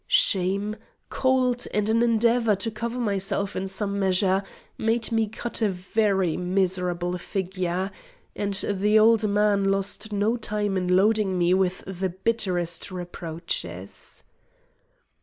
Shame, cold, and an endeavour to cover myself in some measure, made me cut a very miserable figure, and the old man lost no time in loading me with the bitterest reproaches.